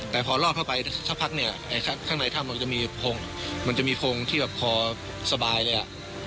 แต่พอรอดเข้าไปเท่าไหร่ข้างในถ้ำมันจะมีพงษ์ที่พอสบายเลย